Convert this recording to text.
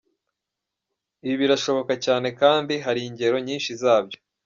Ibi birashoboka cyane kandi hari ingero nyinshi zabyo.